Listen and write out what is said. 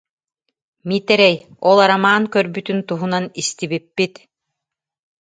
Миитэрэй, ол Арамаан көрбүтүн туһунан истибиппит